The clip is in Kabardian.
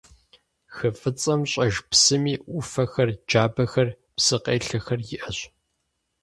Хы Фӏыцӏэм щӏэж псыми ӏуфэхэр, джабэхэр, псы къелъэхэр иӏэщ.